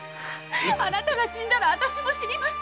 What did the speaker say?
あなたが死んだら私も死にます！